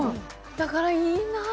だからいいなあ。